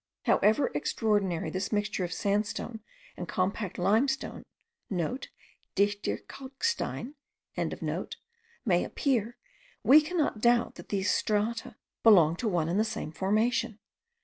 However extraordinary this mixture of sandstone and compact limestone* (* Dichter kalkstein.) may appear, we cannot doubt that these strata belong to one and the same formation.